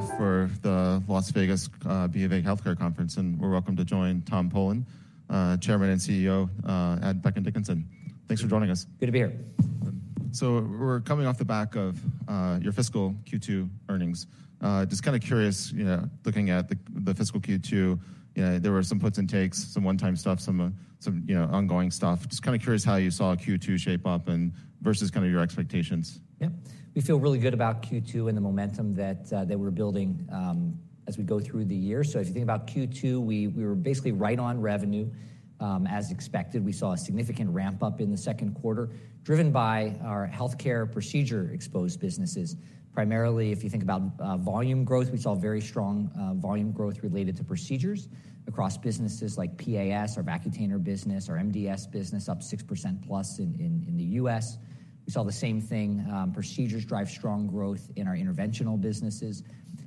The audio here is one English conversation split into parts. Kick-off for the Las Vegas BofA Healthcare Conference, and we're welcome to join Tom Polen, Chairman and CEO at Becton, Dickinson. Thanks for joining us. Good to be here. We're coming off the back of your fiscal Q2 earnings. Just kind of curious, looking at the fiscal Q2, there were some puts and takes, some one-time stuff, some ongoing stuff. Just kind of curious how you saw Q2 shape up versus kind of your expectations. Yeah. We feel really good about Q2 and the momentum that we're building as we go through the year. So if you think about Q2, we were basically right on revenue as expected. We saw a significant ramp-up in the second quarter, driven by our healthcare procedure-exposed businesses. Primarily, if you think about volume growth, we saw very strong volume growth related to procedures across businesses like PAS, our Vacutainer business, our MDS business, up 6%+ in the U.S. We saw the same thing. Procedures drive strong growth in our interventional businesses.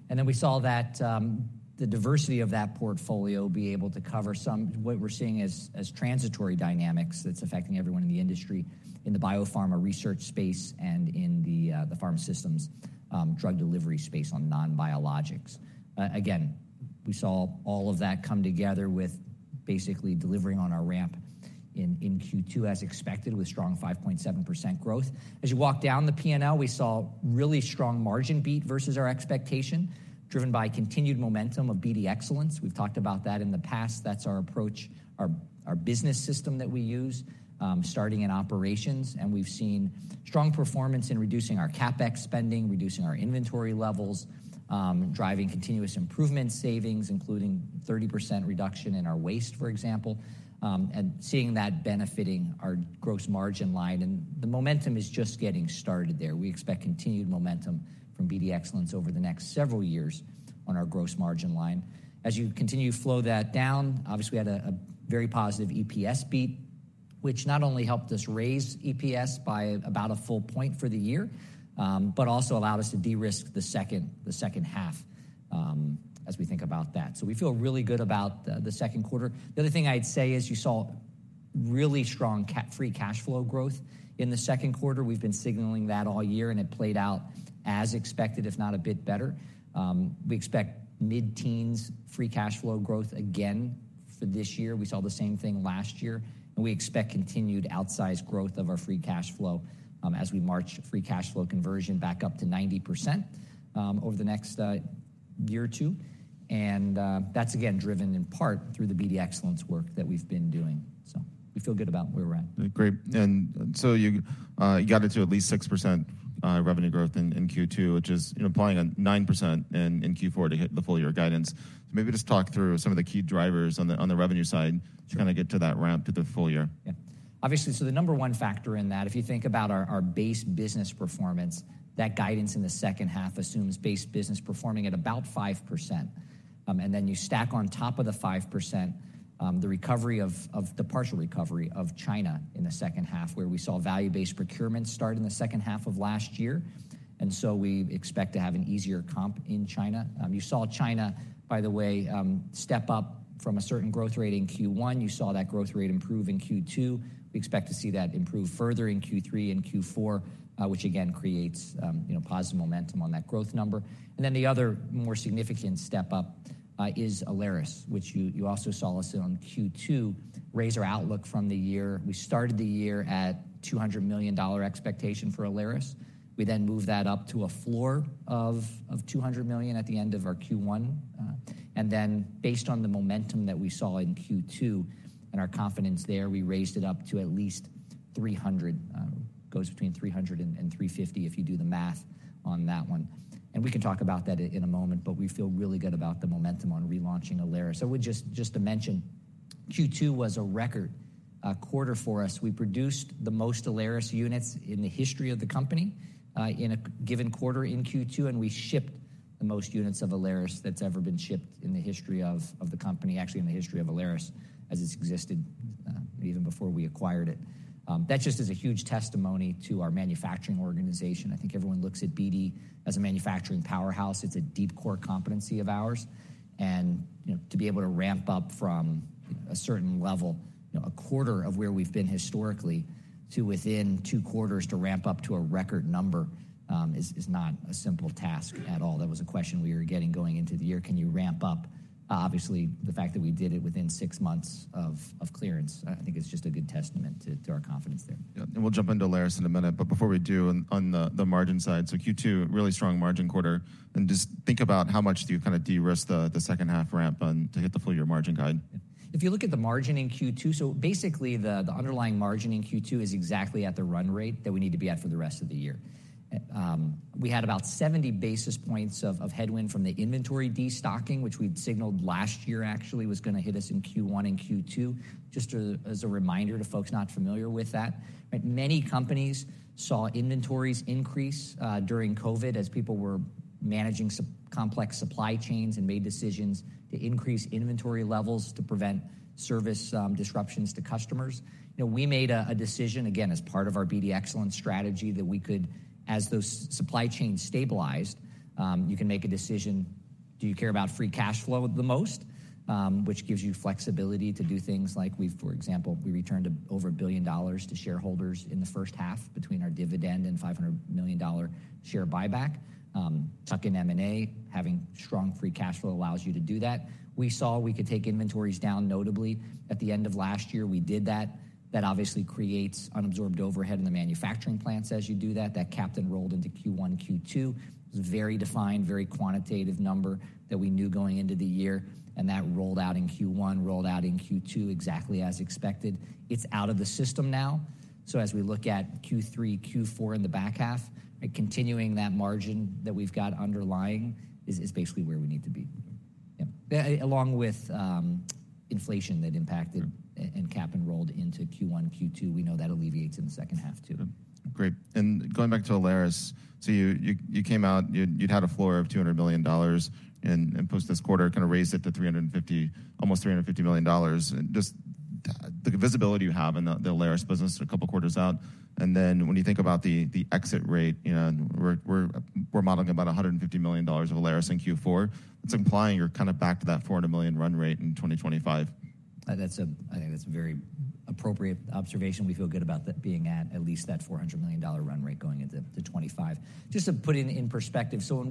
And then we saw that the diversity of that portfolio be able to cover somewhat what we're seeing as transitory dynamics that's affecting everyone in the industry, in the biopharma research space and in the pharma systems drug delivery space on non-biologics. Again, we saw all of that come together with basically delivering on our ramp in Q2 as expected with strong 5.7% growth. As you walk down the P&L, we saw really strong margin beat versus our expectation, driven by continued momentum of BD Excellence. We've talked about that in the past. That's our approach, our business system that we use starting in operations. We've seen strong performance in reducing our CapEx spending, reducing our inventory levels, driving continuous improvement savings, including 30% reduction in our waste, for example, and seeing that benefiting our gross margin line. The momentum is just getting started there. We expect continued momentum from BD Excellence over the next several years on our gross margin line. As you continue to flow that down, obviously, we had a very positive EPS beat, which not only helped us raise EPS by about a full point for the year but also allowed us to de-risk the second half as we think about that. So we feel really good about the second quarter. The other thing I'd say is you saw really strong free cash flow growth in the second quarter. We've been signaling that all year, and it played out as expected, if not a bit better. We expect mid-teens free cash flow growth again for this year. We saw the same thing last year. And we expect continued outsized growth of our free cash flow as we march free cash flow conversion back up to 90% over the next year or two. And that's, again, driven in part through the BD Excellence work that we've been doing. We feel good about where we're at. Great. And so you got it to at least 6% revenue growth in Q2, which is applying a 9% in Q4 to hit the full-year guidance. So maybe just talk through some of the key drivers on the revenue side to kind of get to that ramp to the full year. Yeah. Obviously, so the number one factor in that, if you think about our base business performance, that guidance in the second half assumes base business performing at about 5%. And then you stack on top of the 5% the partial recovery of China in the second half, where we saw value-based procurement start in the second half of last year. And so we expect to have an easier comp in China. You saw China, by the way, step up from a certain growth rate in Q1. You saw that growth rate improve in Q2. We expect to see that improve further in Q3 and Q4, which, again, creates positive momentum on that growth number. And then the other more significant step-up is Alaris, which you also saw us on Q2 raise our outlook from the year. We started the year at $200 million expectation for Alaris. We then moved that up to a floor of $200 million at the end of our Q1. And then based on the momentum that we saw in Q2 and our confidence there, we raised it up to at least $300 million, goes between $300 million and $350 million if you do the math on that one. And we can talk about that in a moment. But we feel really good about the momentum on relaunching Alaris. So just to mention, Q2 was a record quarter for us. We produced the most Alaris units in the history of the company in a given quarter in Q2. And we shipped the most units of Alaris that's ever been shipped in the history of the company, actually in the history of Alaris as it's existed even before we acquired it. That just is a huge testimony to our manufacturing organization. I think everyone looks at BD as a manufacturing powerhouse. It's a deep core competency of ours. And to be able to ramp up from a certain level, a quarter of where we've been historically, to within 2 quarters to ramp up to a record number is not a simple task at all. That was a question we were getting going into the year. Can you ramp up? Obviously, the fact that we did it within 6 months of clearance, I think, is just a good testament to our confidence there. Yeah. And we'll jump into Alaris in a minute. But before we do, on the margin side, so Q2, really strong margin quarter. And just think about how much do you kind of de-risk the second-half ramp-on to hit the full-year margin guide. If you look at the margin in Q2, so basically, the underlying margin in Q2 is exactly at the run rate that we need to be at for the rest of the year. We had about 70 basis points of headwind from the inventory destocking, which we'd signaled last year actually was going to hit us in Q1 and Q2, just as a reminder to folks not familiar with that. Many companies saw inventories increase during COVID as people were managing complex supply chains and made decisions to increase inventory levels to prevent service disruptions to customers. We made a decision, again, as part of our BD Excellence strategy, that we could, as those supply chains stabilized, you can make a decision, do you care about free cash flow the most, which gives you flexibility to do things like we've, for example, we returned over $1 billion to shareholders in the first half between our dividend and $500 million share buyback. Tuck-in M&A, having strong free cash flow allows you to do that. We saw we could take inventories down notably. At the end of last year, we did that. That obviously creates unabsorbed overhead in the manufacturing plants as you do that. That CapEx rolled into Q1, Q2. It was a very defined, very quantitative number that we knew going into the year. And that rolled out in Q1, rolled out in Q2 exactly as expected. It's out of the system now. So as we look at Q3, Q4 in the back half, continuing that margin that we've got underlying is basically where we need to be, along with inflation that impacted and CapEx enrolled into Q1, Q2. We know that alleviates in the second half too. Great. And going back to Alaris, so you came out. You'd had a floor of $200 million and post this quarter, kind of raised it to almost $350 million. Just the visibility you have in the Alaris business a couple quarters out. And then when you think about the exit rate, we're modeling about $150 million of Alaris in Q4. That's implying you're kind of back to that $400 million run rate in 2025. I think that's a very appropriate observation. We feel good about being at least that $400 million run rate going into 2025. Just to put it in perspective, so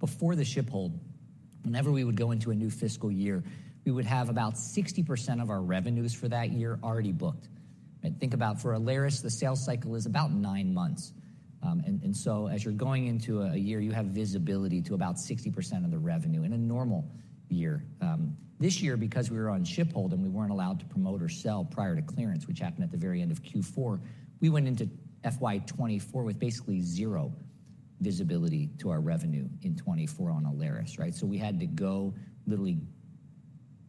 before the ship hold, whenever we would go into a new fiscal year, we would have about 60% of our revenues for that year already booked. Think about for Alaris, the sales cycle is about nine months. And so as you're going into a year, you have visibility to about 60% of the revenue in a normal year. This year, because we were on ship hold and we weren't allowed to promote or sell prior to clearance, which happened at the very end of Q4, we went into FY 2024 with basically zero visibility to our revenue in 2024 on Alaris, right? So we had to literally go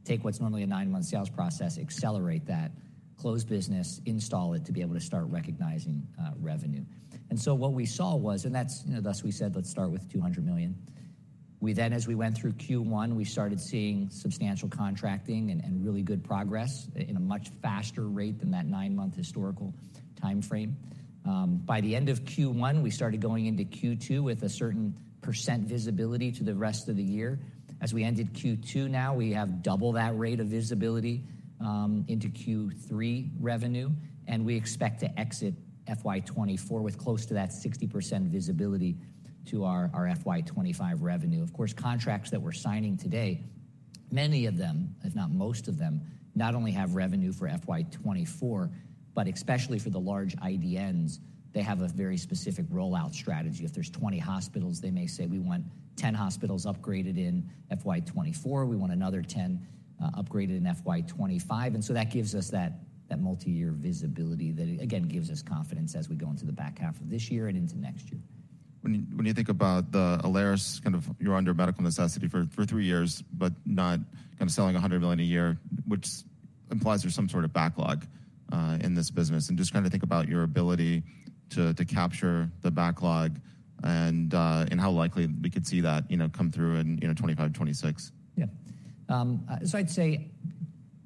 take what's normally a 9-month sales process, accelerate that, close business, install it to be able to start recognizing revenue. And so what we saw was, and thus we said, let's start with $200 million. Then as we went through Q1, we started seeing substantial contracting and really good progress in a much faster rate than that 9-month historical time frame. By the end of Q1, we started going into Q2 with a certain % visibility to the rest of the year. As we ended Q2 now, we have double that rate of visibility into Q3 revenue. And we expect to exit FY 2024 with close to that 60% visibility to our FY 2025 revenue. Of course, contracts that we're signing today, many of them, if not most of them, not only have revenue for FY 2024, but especially for the large IDNs, they have a very specific rollout strategy. If there's 20 hospitals, they may say, we want 10 hospitals upgraded in FY 2024. We want another 10 upgraded in FY 2025. And so that gives us that multi-year visibility that, again, gives us confidence as we go into the back half of this year and into next year. When you think about Alaris, kind of you're under medical necessity for three years but not kind of selling $100 million a year, which implies there's some sort of backlog in this business. And just kind of think about your ability to capture the backlog and how likely we could see that come through in 2025, 2026. Yeah. So I'd say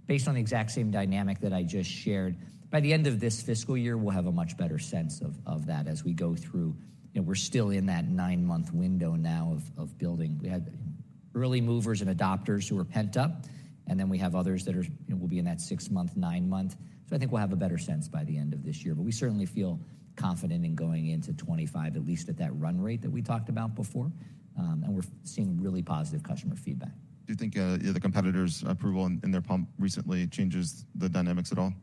based on the exact same dynamic that I just shared, by the end of this fiscal year, we'll have a much better sense of that as we go through. We're still in that nine-month window now of building. We had early movers and adopters who were pent up. And then we have others that will be in that six-month, nine-month. So I think we'll have a better sense by the end of this year. But we certainly feel confident in going into 2025, at least at that run rate that we talked about before. And we're seeing really positive customer feedback. Do you think the competitors' approval in their pump recently changes the dynamics at all?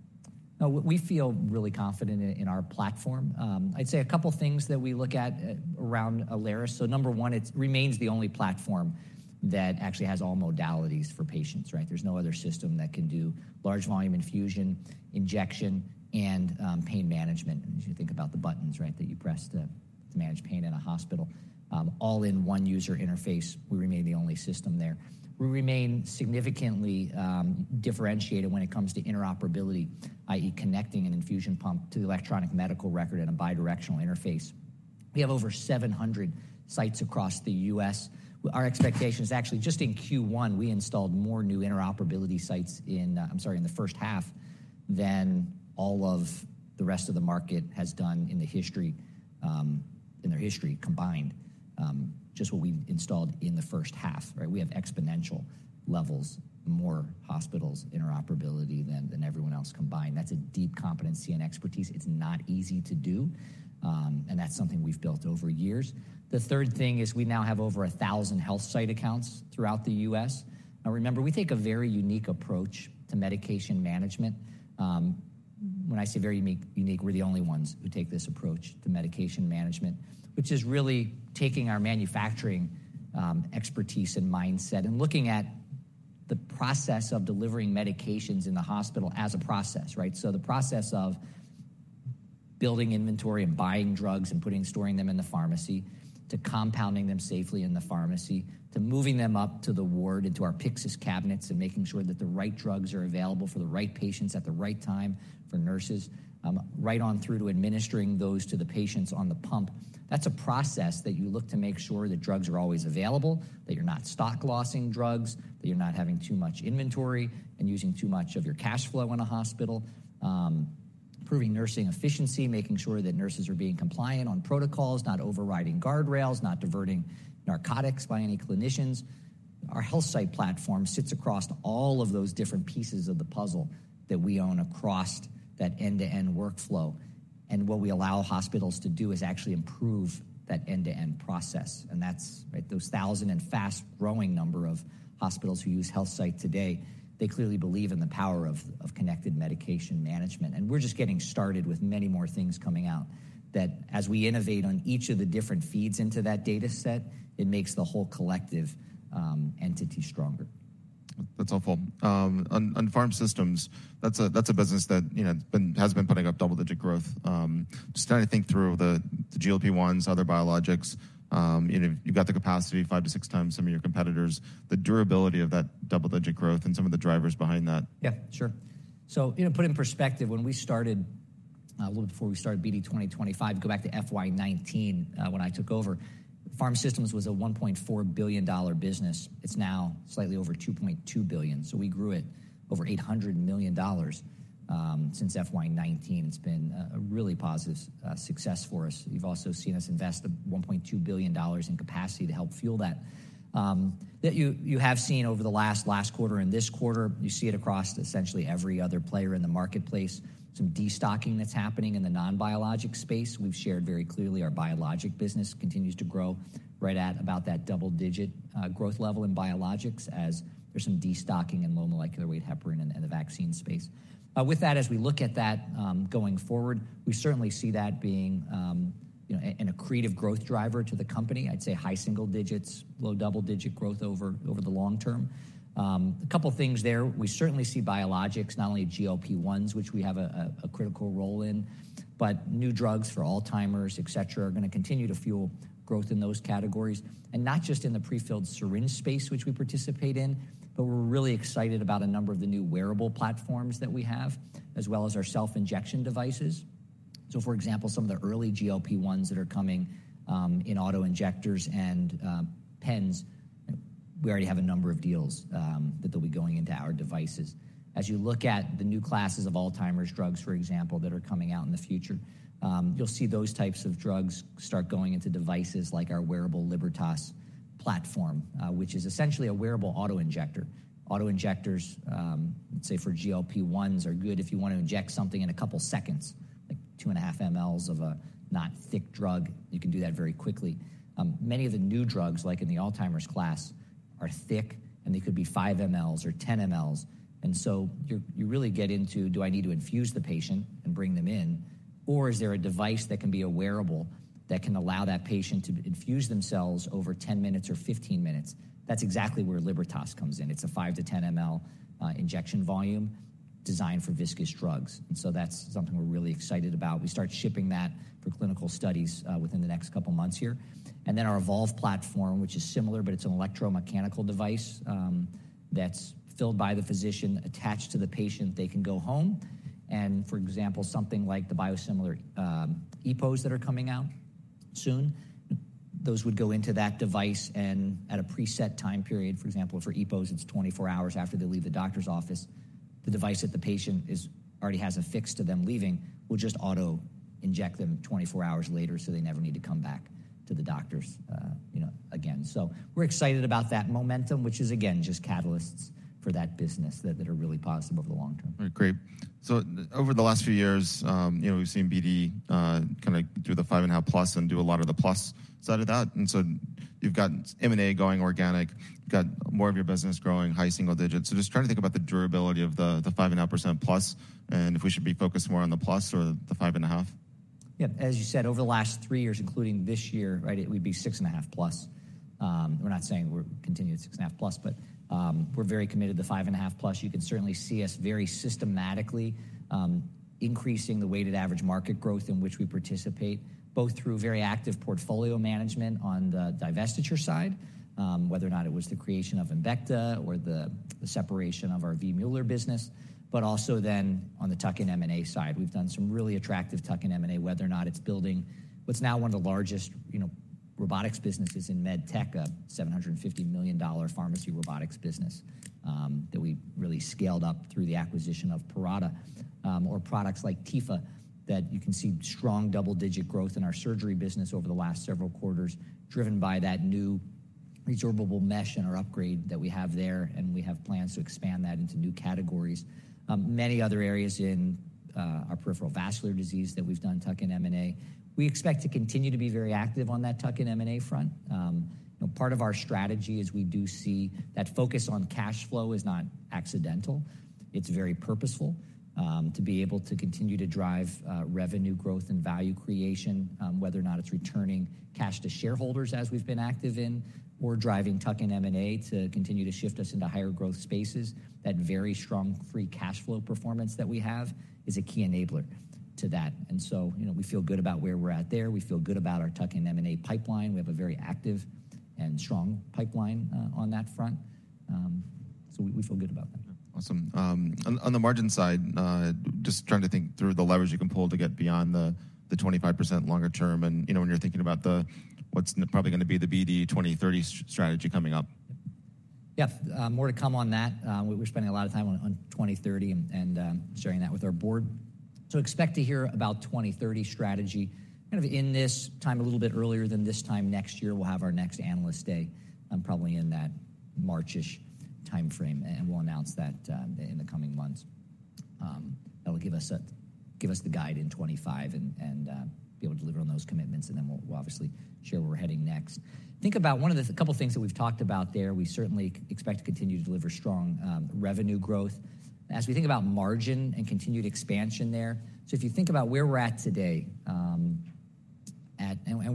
No. We feel really confident in our platform. I'd say a couple things that we look at around Alaris. So number one, it remains the only platform that actually has all modalities for patients, right? There's no other system that can do large volume infusion, injection, and pain management. And as you think about the buttons, right, that you press to manage pain in a hospital, all in one user interface, we remain the only system there. We remain significantly differentiated when it comes to interoperability, i.e., connecting an infusion pump to the electronic medical record in a bidirectional interface. We have over 700 sites across the U.S. Our expectation is actually just in Q1, we installed more new interoperability sites in, I'm sorry, in the first half than all of the rest of the market has done in their history combined, just what we installed in the first half, right? We have exponential levels, more hospitals interoperability than everyone else combined. That's a deep competency and expertise. It's not easy to do. And that's something we've built over years. The third thing is we now have over 1,000 HealthSight accounts throughout the U.S. Now remember, we take a very unique approach to medication management. When I say very unique, we're the only ones who take this approach to medication management, which is really taking our manufacturing expertise and mindset and looking at the process of delivering medications in the hospital as a process, right? So the process of building inventory and buying drugs and storing them in the pharmacy to compounding them safely in the pharmacy to moving them up to the ward into our Pyxis cabinets and making sure that the right drugs are available for the right patients at the right time for nurses, right on through to administering those to the patients on the pump. That's a process that you look to make sure that drugs are always available, that you're not stock-lossing drugs, that you're not having too much inventory and using too much of your cash flow in a hospital, improving nursing efficiency, making sure that nurses are being compliant on protocols, not overriding Guardrails, not diverting narcotics by any clinicians. Our HealthSight platform sits across all of those different pieces of the puzzle that we own across that end-to-end workflow. What we allow hospitals to do is actually improve that end-to-end process. Those 1,000 and fast-growing number of hospitals who use HealthSight today, they clearly believe in the power of connected medication management. We're just getting started with many more things coming out that as we innovate on each of the different feeds into that data set, it makes the whole collective entity stronger. That's helpful. On Pharma Systems, that's a business that has been putting up double-digit growth. Just trying to think through the GLP-1s, other biologics. You've got the capacity 5-6 times some of your competitors. The durability of that double-digit growth and some of the drivers behind that. Yeah. Sure. So put in perspective, when we started a little before we started BD 2025, go back to FY 2019 when I took over, Pharma Systems was a $1.4 billion business. It's now slightly over $2.2 billion. So we grew it over $800 million since FY 2019. It's been a really positive success for us. You've also seen us invest the $1.2 billion in capacity to help fuel that. That you have seen over the last quarter and this quarter, you see it across essentially every other player in the marketplace, some destocking that's happening in the non-biologic space. We've shared very clearly our biologic business continues to grow right at about that double-digit growth level in biologics as there's some destocking in low molecular weight heparin and the vaccine space. With that, as we look at that going forward, we certainly see that being a creative growth driver to the company. I'd say high single digits, low double-digit growth over the long term. A couple things there. We certainly see biologics, not only GLP-1s, which we have a critical role in, but new drugs for Alzheimer's, et cetera, are going to continue to fuel growth in those categories. And not just in the prefilled syringe space, which we participate in, but we're really excited about a number of the new wearable platforms that we have as well as our self-injection devices. So for example, some of the early GLP-1s that are coming in auto injectors and pens, we already have a number of deals that they'll be going into our devices. As you look at the new classes of Alzheimer's drugs, for example, that are coming out in the future, you'll see those types of drugs start going into devices like our wearable Libertas platform, which is essentially a wearable auto injector. Auto injectors, let's say for GLP-1s, are good if you want to inject something in a couple seconds, like 2.5 mL of a not thick drug. You can do that very quickly. Many of the new drugs, like in the Alzheimer's class, are thick. And they could be 5 mL or 10 mL. And so you really get into, do I need to infuse the patient and bring them in? Or is there a device that can be a wearable that can allow that patient to infuse themselves over 10 minutes or 15 minutes? That's exactly where Libertas comes in. It's a 5-10 mL injection volume designed for viscous drugs. And so that's something we're really excited about. We start shipping that for clinical studies within the next couple months here. And then our Evolve platform, which is similar, but it's an electromechanical device that's filled by the physician, attached to the patient. They can go home. And for example, something like the biosimilar EPOs that are coming out soon, those would go into that device. And at a preset time period, for example, for EPOs, it's 24 hours after they leave the doctor's office. The device that the patient already has affixed to them leaving will just auto inject them 24 hours later so they never need to come back to the doctors again. So we're excited about that momentum, which is, again, just catalysts for that business that are really positive over the long term. Great. So over the last few years, we've seen BD kind of do the 5.5 plus and do a lot of the plus side of that. And so you've got M&A going organic. You've got more of your business growing, high single digits. So just trying to think about the durability of the 5.5% plus and if we should be focused more on the plus or the 5.5%. Yeah. As you said, over the last three years, including this year, right, it would be 6.5+. We're not saying we'll continue at 6.5+. But we're very committed to the 5.5+. You can certainly see us very systematically increasing the weighted average market growth in which we participate, both through very active portfolio management on the divestiture side, whether or not it was the creation of Embecta or the separation of our V. Mueller business, but also then on the tuck-in M&A side. We've done some really attractive tuck-in M&A, whether or not it's building what's now one of the largest robotics businesses in med tech, a $750 million pharmacy robotics business that we really scaled up through the acquisition of Parata or products like Tepha that you can see strong double-digit growth in our surgery business over the last several quarters driven by that new resorbable mesh and our upgrade that we have there. We have plans to expand that into new categories. Many other areas in our peripheral vascular disease that we've done tuck-in M&A. We expect to continue to be very active on that tuck-in M&A front. Part of our strategy is we do see that focus on cash flow is not accidental. It's very purposeful to be able to continue to drive revenue growth and value creation, whether or not it's returning cash to shareholders as we've been active in or driving tuck-in M&A to continue to shift us into higher growth spaces. That very strong free cash flow performance that we have is a key enabler to that. And so we feel good about where we're at there. We feel good about our tuck-in M&A pipeline. We have a very active and strong pipeline on that front. So we feel good about that. Awesome. On the margin side, just trying to think through the levers you can pull to get beyond the 25% longer term. When you're thinking about what's probably going to be the BD 2030 strategy coming up. Yeah. More to come on that. We're spending a lot of time on 2030 and sharing that with our board. So expect to hear about 2030 strategy kind of in this time, a little bit earlier than this time next year. We'll have our next analyst day probably in that March-ish time frame. And we'll announce that in the coming months. That'll give us the guide in 2025 and be able to deliver on those commitments. And then we'll obviously share where we're heading next. Think about one of the couple things that we've talked about there. We certainly expect to continue to deliver strong revenue growth as we think about margin and continued expansion there. So if you think about where we're at today and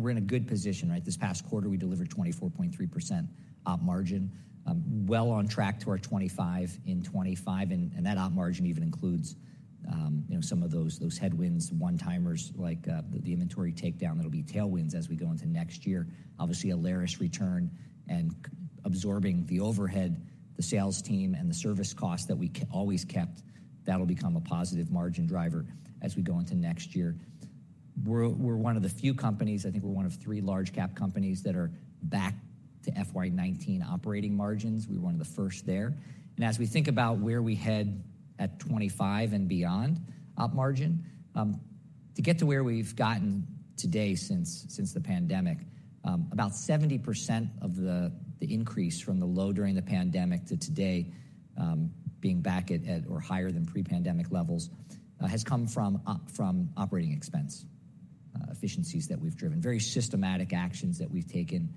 we're in a good position, right? This past quarter, we delivered 24.3% op margin, well on track to our 2025 in 2025. That op margin even includes some of those headwinds, one-timers like the inventory takedown. There'll be tailwinds as we go into next year. Obviously, Alaris return and absorbing the overhead, the sales team, and the service costs that we always kept, that'll become a positive margin driver as we go into next year. We're one of the few companies. I think we're one of three large-cap companies that are back to FY 2019 operating margins. We were one of the first there. As we think about where we head at 2025 and beyond op margin, to get to where we've gotten today since the pandemic, about 70% of the increase from the low during the pandemic to today being back at or higher than pre-pandemic levels has come from operating expense efficiencies that we've driven, very systematic actions that we've taken,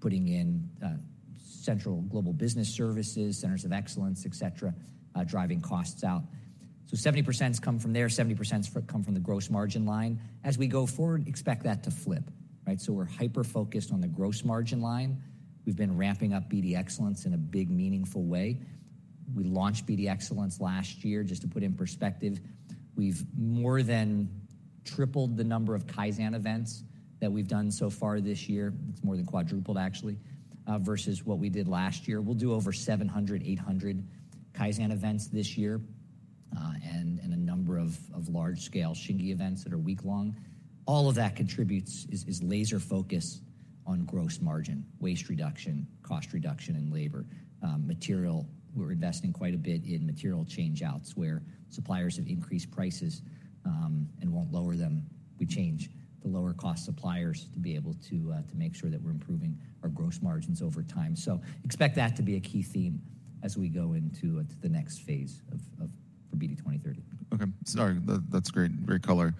putting in central Global Business Services, Centers of Excellence, et cetera, driving costs out. So 70% has come from there. 70% has come from the gross margin line. As we go forward, expect that to flip, right? So we're hyper-focused on the gross margin line. We've been ramping up BD Excellence in a big, meaningful way. We launched BD Excellence last year. Just to put in perspective, we've more than tripled the number of Kaizen events that we've done so far this year. It's more than quadrupled, actually, versus what we did last year. We'll do over 700-800 Kaizen events this year and a number of large-scale Shingo events that are week-long. All of that contributes is laser-focused on gross margin, waste reduction, cost reduction, and labor. We're investing quite a bit in material changeouts where suppliers have increased prices and won't lower them. We change the lower-cost suppliers to be able to make sure that we're improving our gross margins over time. So expect that to be a key theme as we go into the next phase for BD 2030. Okay. Sorry. That's great. Great color.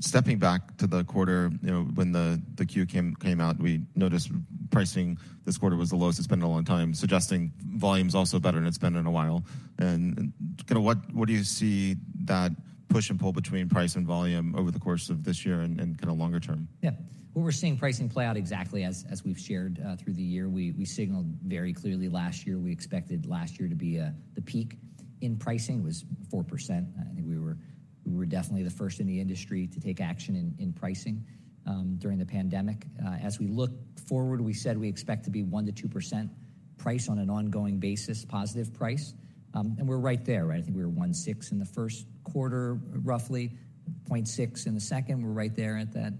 Stepping back to the quarter, when the Q came out, we noticed pricing this quarter was the lowest. It's been a long time, suggesting volume's also better. And it's been a while. And kind of what do you see that push and pull between price and volume over the course of this year and kind of longer term? Yeah. What we're seeing pricing play out exactly as we've shared through the year. We signaled very clearly last year. We expected last year to be the peak in pricing. It was 4%. I think we were definitely the first in the industry to take action in pricing during the pandemic. As we look forward, we said we expect to be 1%-2% price on an ongoing basis, positive price. And we're right there, right? I think we were 1.6 in the first quarter, roughly, 0.6 in the second. We're right there at that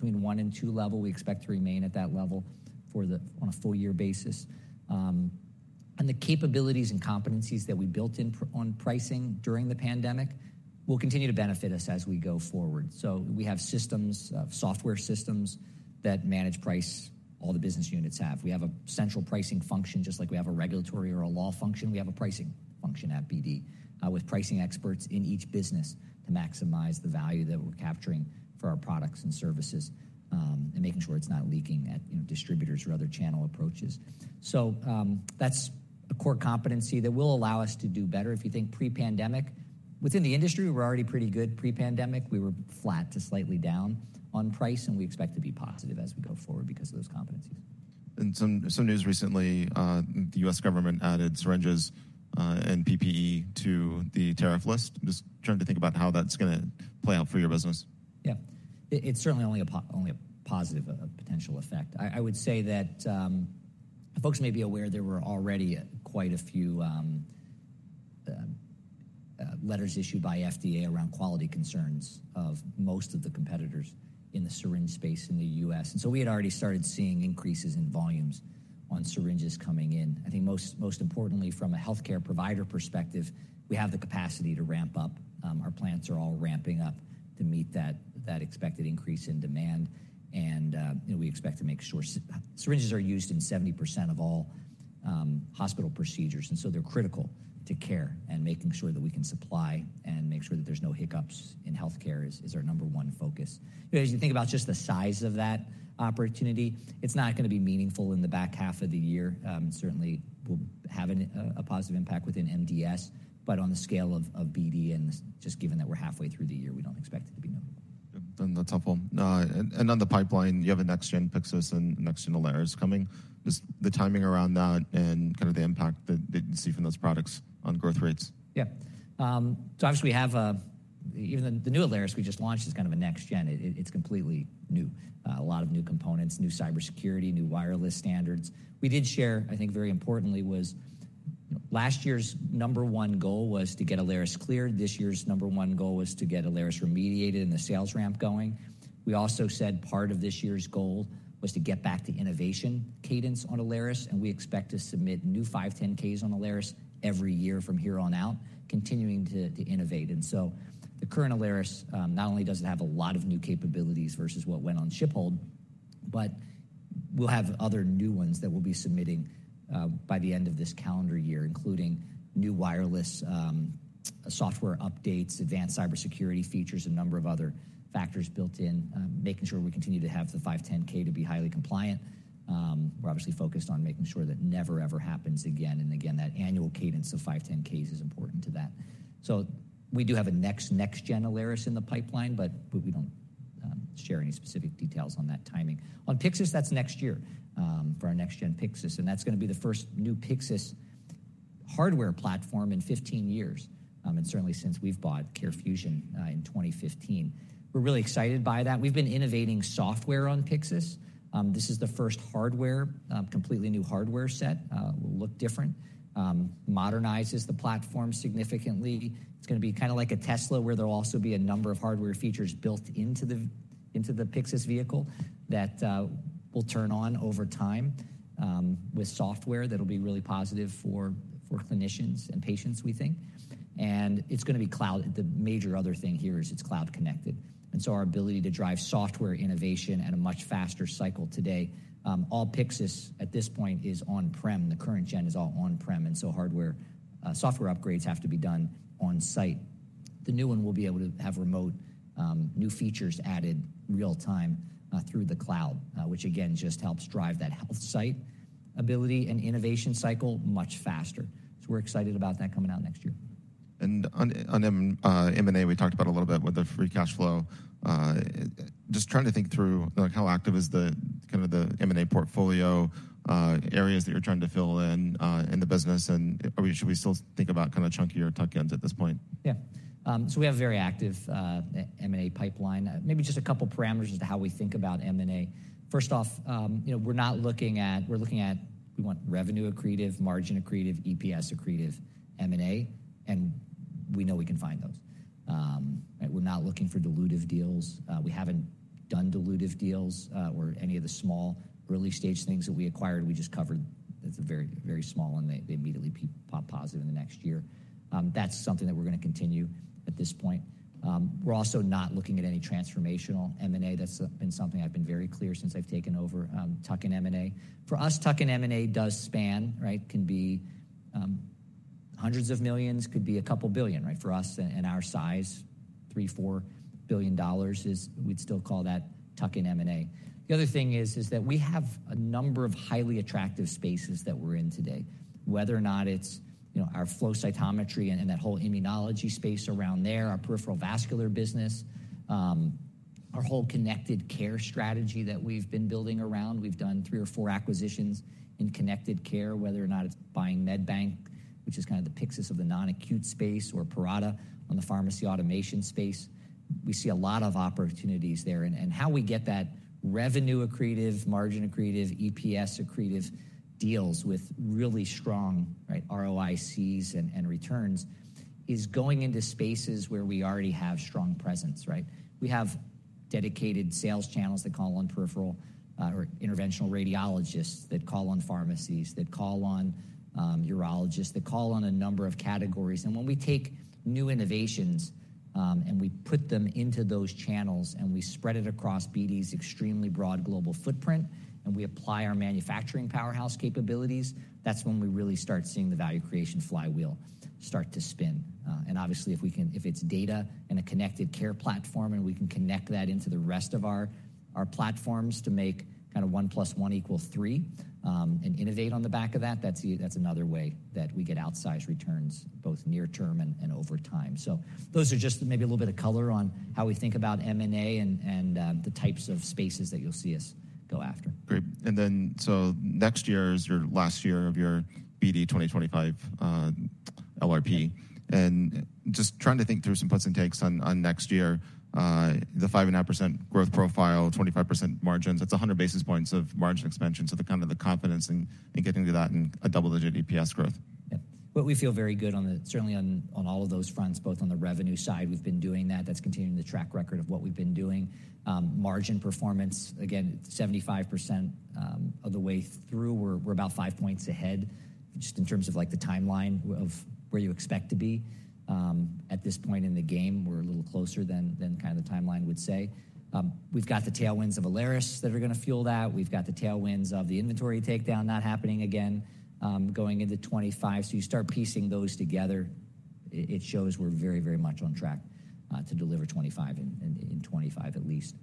between 1 and 2 level. We expect to remain at that level on a full-year basis. And the capabilities and competencies that we built in on pricing during the pandemic will continue to benefit us as we go forward. So we have software systems that manage price all the business units have. We have a central pricing function. Just like we have a regulatory or a law function, we have a pricing function at BD with pricing experts in each business to maximize the value that we're capturing for our products and services and making sure it's not leaking at distributors or other channel approaches. That's a core competency that will allow us to do better. If you think pre-pandemic, within the industry, we're already pretty good. Pre-pandemic, we were flat to slightly down on price. We expect to be positive as we go forward because of those competencies. Some news recently, the U.S. government added syringes and PPE to the tariff list. Just trying to think about how that's going to play out for your business. Yeah. It's certainly only a positive, a potential effect. I would say that folks may be aware there were already quite a few letters issued by FDA around quality concerns of most of the competitors in the syringe space in the U.S. And so we had already started seeing increases in volumes on syringes coming in. I think most importantly, from a healthcare provider perspective, we have the capacity to ramp up. Our plants are all ramping up to meet that expected increase in demand. And we expect to make sure syringes are used in 70% of all hospital procedures. And so they're critical to care. And making sure that we can supply and make sure that there's no hiccups in healthcare is our number one focus. As you think about just the size of that opportunity, it's not going to be meaningful in the back half of the year. Certainly, we'll have a positive impact within MDS. But on the scale of BD and just given that we're halfway through the year, we don't expect it to be new. Yeah. That's helpful. And on the pipeline, you have a next-gen Pyxis and next-gen Alaris coming. Just the timing around that and kind of the impact that you see from those products on growth rates. Yeah. So obviously, we have even the new Alaris we just launched is kind of a next-gen. It's completely new, a lot of new components, new cybersecurity, new wireless standards. We did share, I think very importantly, was last year's number one goal was to get Alaris cleared. This year's number one goal was to get Alaris remediated and the sales ramp going. We also said part of this year's goal was to get back the innovation cadence on Alaris. And we expect to submit new 510(k)s on Alaris every year from here on out, continuing to innovate. And so the current Alaris not only does it have a lot of new capabilities versus what went on Ship Hold, but we'll have other new ones that we'll be submitting by the end of this calendar year, including new wireless software updates, advanced cybersecurity features, a number of other factors built in, making sure we continue to have the 510(k) to be highly compliant. We're obviously focused on making sure that never, ever happens again. And again, that annual cadence of 510(k)s is important to that. So we do have a next-gen Alaris in the pipeline. But we don't share any specific details on that timing. On Pyxis, that's next year for our next-gen Pyxis. And that's going to be the first new Pyxis hardware platform in 15 years. And certainly, since we've bought CareFusion in 2015, we're really excited by that. We've been innovating software on Pyxis. This is the first completely new hardware set. It will look different, modernize the platform significantly. It's going to be kind of like a Tesla where there'll also be a number of hardware features built into the Pyxis vehicle that will turn on over time with software that'll be really positive for clinicians and patients, we think. It's going to be cloud. The major other thing here is it's cloud-connected. So our ability to drive software innovation at a much faster cycle today, all Pyxis at this point is on-prem. The current gen is all on-prem. So software upgrades have to be done on-site. The new one will be able to have remote new features added real-time through the cloud, which, again, just helps drive that HealthSight ability and innovation cycle much faster. So we're excited about that coming out next year. On M&A, we talked about a little bit with the free cash flow. Just trying to think through how active is kind of the M&A portfolio, areas that you're trying to fill in the business. Should we still think about kind of chunkier tuck-ins at this point? Yeah. So we have a very active M&A pipeline. Maybe just a couple parameters as to how we think about M&A. First off, we're looking at we want revenue accretive, margin accretive, EPS accretive M&A. And we know we can find those, right? We're not looking for dilutive deals. We haven't done dilutive deals or any of the small early-stage things that we acquired. We just covered that's very, very small. And they immediately pop positive in the next year. That's something that we're going to continue at this point. We're also not looking at any transformational M&A. That's been something I've been very clear since I've taken over tuck-in M&A. For us, tuck-in M&A does span, right? Can be hundreds of millions. Could be a couple billion, right? For us and our size, $3-$4 billion, we'd still call that tuck-in M&A. The other thing is that we have a number of highly attractive spaces that we're in today, whether or not it's our flow cytometry and that whole immunology space around there, our peripheral vascular business, our whole connected care strategy that we've been building around. We've done three or four acquisitions in connected care, whether or not it's buying MedKeeper, which is kind of the Pyxis of the non-acute space, or Parata on the pharmacy automation space. We see a lot of opportunities there. And how we get that revenue accretive, margin accretive, EPS accretive deals with really strong ROICs and returns is going into spaces where we already have strong presence, right? We have dedicated sales channels that call on peripheral or interventional radiologists that call on pharmacies, that call on urologists, that call on a number of categories. And when we take new innovations and we put them into those channels and we spread it across BD's extremely broad global footprint and we apply our manufacturing powerhouse capabilities, that's when we really start seeing the value creation flywheel start to spin. And obviously, if it's data and a connected care platform and we can connect that into the rest of our platforms to make kind of 1 + 1 = 3 and innovate on the back of that, that's another way that we get outsized returns both near-term and over time. So those are just maybe a little bit of color on how we think about M&A and the types of spaces that you'll see us go after. Great. Next year is your last year of your BD 2025 LRP. Just trying to think through some puts and takes on next year, the 5.5% growth profile, 25% margins, that's 100 basis points of margin expansion. Kind of the confidence in getting to that and a double-digit EPS growth. Yeah. We feel very good on certainly on all of those fronts, both on the revenue side. We've been doing that. That's continuing the track record of what we've been doing. Margin performance, again, 75% of the way through. We're about 5 points ahead just in terms of the timeline of where you expect to be. At this point in the game, we're a little closer than kind of the timeline would say. We've got the tailwinds of Alaris that are going to fuel that. We've got the tailwinds of the inventory takedown not happening again going into 2025. So you start piecing those together, it shows we're very, very much on track to deliver 2025 in 2025 at least.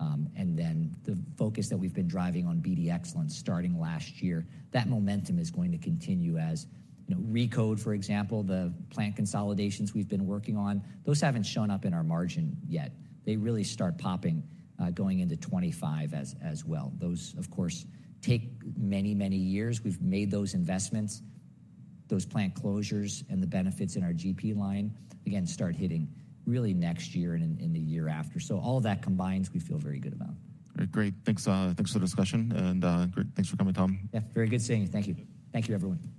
And then the focus that we've been driving on BD Excellence starting last year, that momentum is going to continue as Recode, for example, the plant consolidations we've been working on, those haven't shown up in our margin yet. They really start popping going into 2025 as well. Those, of course, take many, many years. We've made those investments. Those plant closures and the benefits in our GP line, again, start hitting really next year and in the year after. So all of that combined, we feel very good about. All right. Great. Thanks for the discussion. Thanks for coming, Tom. Yeah. Very good seeing you. Thank you. Thank you, everyone.